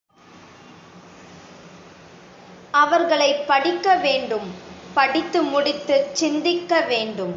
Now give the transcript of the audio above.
அவர்களைப் படிக்க வேண்டும் படித்து முடித்துச் சிந்திக்க வேண்டும்.